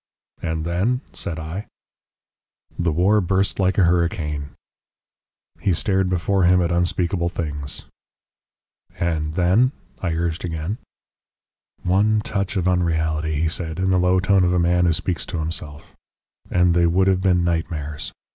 "And then?" said I. "The war burst like a hurricane." He stared before him at unspeakable things. "And then?" I urged again. "One touch of unreality," he said, in the low tone of a man who speaks to himself, "and they would have been nightmares.